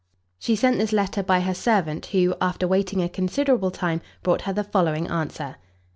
She sent this letter by her servant, who, after waiting a considerable time, brought her the following answer.